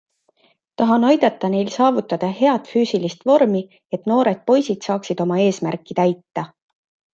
Tahan aidata neil saavutada head füüsilist vormi, et noored poisid saaksid oma eesmärki täita!